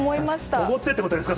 おごってってことですか？